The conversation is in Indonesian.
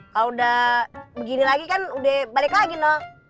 kalau udah begini lagi kan udah balik lagi nok